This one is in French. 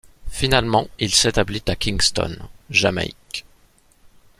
Finalement il s'établit à Kingston, Jamaïque.